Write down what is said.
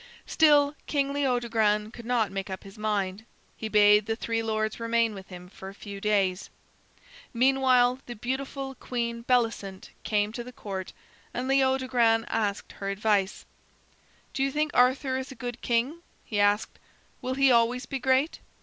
Still King Leodogran could not make up his mind. He bade the three lords remain with him for a few days. Meanwhile the beautiful Queen Bellicent came to the Court, and Leodogran asked her advice. "Do you think Arthur is a great king?" he asked. "Will he always be great?"